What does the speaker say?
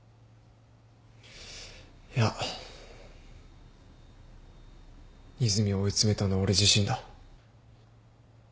いや和泉を追い詰めたのは俺自身だ。